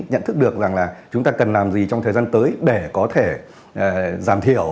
nhận thức được rằng là chúng ta cần làm gì trong thời gian tới để có thể giảm thiểu